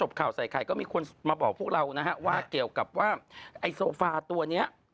เผาใส่ใครก็มีคุณมาบอกฟุราวนะครับว่าเกี่ยวกับว่าไอ้โซฟาตัวเนี้ย